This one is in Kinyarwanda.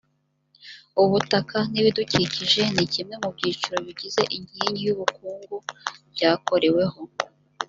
ubutaka n ibidukikije ni kimwe mu byiciro bigize inkingi y ubukungu byakoreweho